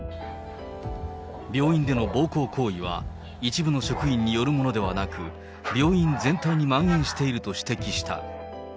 病院での暴行行為は、一部の職員によるものではなく、病院全体にまん延していると指摘した。